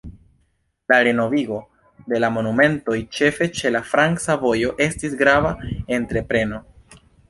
La renovigo de la monumentoj, ĉefe ĉe la franca vojo, estis grava entrepreno.